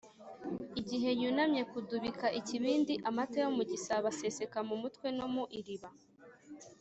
igihe yunamye kudubika ikibindi, amata yo mu gisabo aseseka mu mutwe no mu iriba.